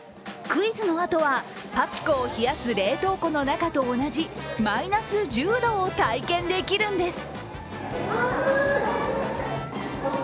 クイズのあとはパピコを冷やす冷凍庫の中と同じマイナス１０度を体験できるんです。